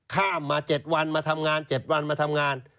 ข้ามมา๗วันมาทำงาน๗วันมาทำงาน